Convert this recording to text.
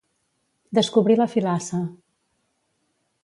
Descobrir la filassa.